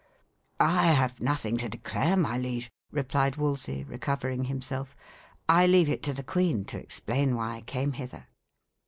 "I have nothing to declare, my liege," replied Wolsey, recovering himself, "I leave it to the queen to explain why I came hither."